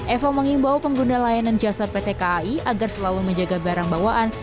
eva mengimbau pengguna layanan jasa pt kai agar selalu menjaga barang bawaan